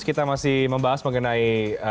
kita masih membahas mengenai